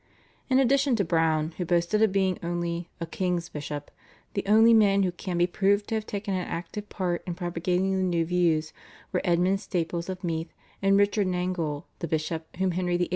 In addition to Browne, who boasted of being only "a king's bishop," the only men who can be proved to have taken an active part in propagating the new views were Edmund Staples of Meath and Richard Nangle, the bishop whom Henry VIII.